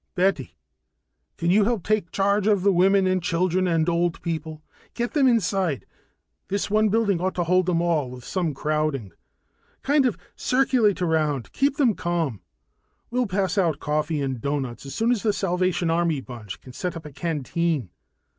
"Betty, can you help take charge of the women and children and old people? Get them inside this one building ought to hold them all, with some crowding. Kind of circulate around, keep them calm. We'll pass out coffee and doughnuts as soon as the Salvation Army bunch can set up a canteen."